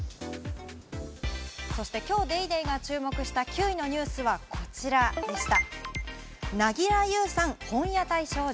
そして今日『ＤａｙＤａｙ．』が注目した９位のニュースはこちらでした。